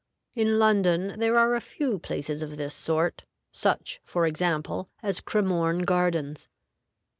In London there are a few places of this sort, such, for example, as Cremorne Gardens.